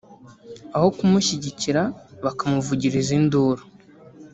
aho kumushyigikira bakamuvugiriza induru